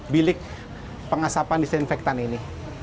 bilik pengasapan disinfectant ini